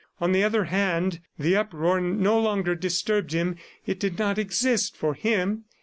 On the other hand, the uproar no longer disturbed him, it did not exist for him.